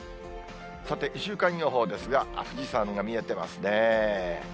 さて、週間予報ですが、富士山が見えてますね。